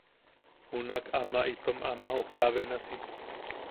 Junak ama itom ama jooka benasi.